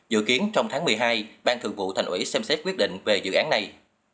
dự kiến trong tháng một mươi hai ban thượng vụ thành ủy xem xét quyết định về dự án này